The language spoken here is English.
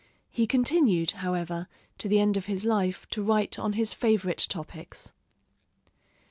He continued, however, to the end of his life to write on his favorite topics.